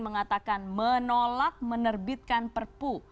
mengatakan menolak menerbitkan perpu